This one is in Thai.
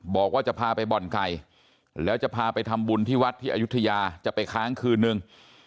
บอกว่าจะพาไปบ่อนไก่แล้วจะพาไปทำบุญที่วัดที่อายุทยาจะไปค้างคืนนึง